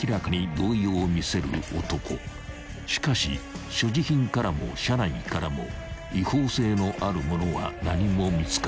［しかし所持品からも車内からも違法性のあるものは何も見つからない］